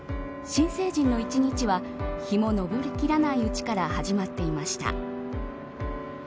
新成人の一日は日も昇りきらないうちから始まっていました。